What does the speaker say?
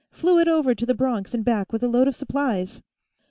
Flew it over to the Bronx and back with a load of supplies."